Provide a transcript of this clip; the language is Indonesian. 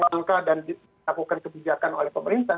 dan diangkat dan dilakukan kebijakan oleh pemerintah